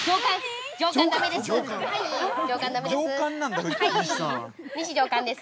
上官、だめです。